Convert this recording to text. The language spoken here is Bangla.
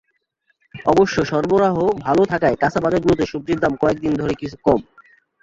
অবশ্য সরবরাহ ভালো থাকায় কাঁচাবাজারগুলোতে সবজির দাম কয়েক দিন ধরে কিছু কম।